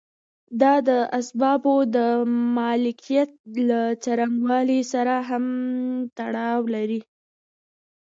دا د اسبابو د مالکیت له څرنګوالي سره هم تړاو لري.